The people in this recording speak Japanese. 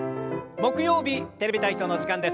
木曜日「テレビ体操」の時間です。